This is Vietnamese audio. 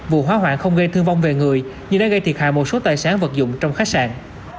vụ hỏa hoạn không gây thương vong về người nhưng đã gây thiệt hại một số tài sản vật dụng trong khách sạn